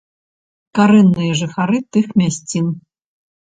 Карэнныя жыхары тых мясцін.